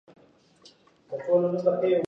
حاجي مریم اکا پخوا په میوند کې اوسېده.